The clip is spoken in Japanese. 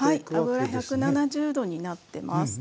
油１７０℃になってます。